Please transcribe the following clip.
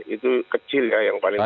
itu kecil ya